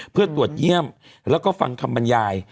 เพื่อตรวจเยี่ยมแล้วก็ฟังคำบรรยาย